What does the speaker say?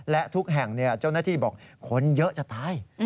และทุกแห่งเจ้าหน้าที่บอกคนเยอะจะตาย